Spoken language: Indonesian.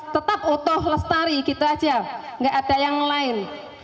tetap utuh lestari gitu aja nggak ada yang lain